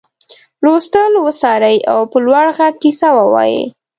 لوستل وڅاري په لوړ غږ کیسه ووايي.